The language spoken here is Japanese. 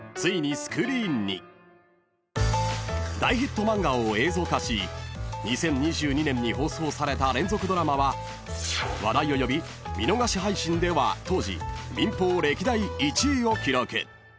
［大ヒット漫画を映像化し２０２２年に放送された連続ドラマは話題を呼び見逃し配信では当時民放歴代１位を記録］